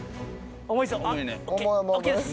重いですよ。